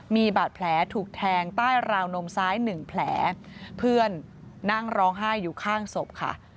มีบาดแผลถูกแทงใต้ราวนมซ้ายหนึ่งแผลเพื่อนนั่งร้องไห้อยู่ข้างศพค่ะ